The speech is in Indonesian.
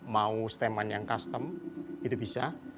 mau steman yang custom itu bisa